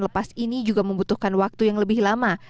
lepas ini juga membutuhkan waktu yang lebih lama